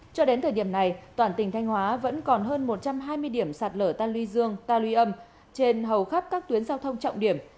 cho đến thời điểm này toàn tỉnh thanh hóa vẫn còn hơn một trăm hai mươi điểm sạt lở tan luy dương ta luy âm trên hầu khắp các tuyến giao thông trọng điểm